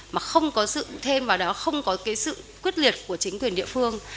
mà không có sự thêm vào đó không có cái sự quyết liệt của chính quyền địa phương